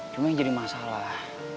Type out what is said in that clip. cuma yang jadi masalah